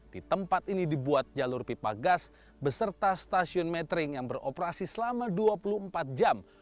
di tempat ini dibuat jalur pipa gas beserta stasiun metering yang beroperasi selama dua puluh empat jam